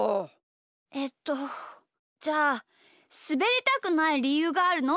えっとじゃあすべりたくないりゆうがあるの？